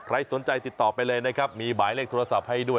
สนใจติดต่อไปเลยนะครับมีหมายเลขโทรศัพท์ให้ด้วย